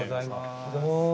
おはようございます。